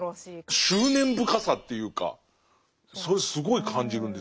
執念深さっていうかそれすごい感じるんですよね。